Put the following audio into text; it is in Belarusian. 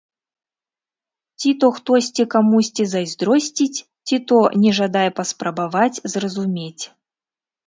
Ці то хтосьці камусьці зайздросціць, ці то не жадае паспрабаваць зразумець.